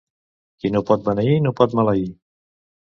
Qui no pot beneir, no pot maleir.